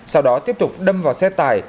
sau đó tiếp tục đâm vào xe tải